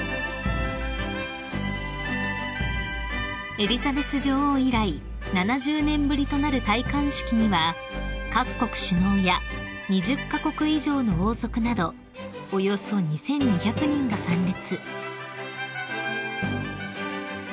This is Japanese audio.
［エリザベス女王以来７０年ぶりとなる戴冠式には各国首脳や２０カ国以上の王族などおよそ２，２００人が参列］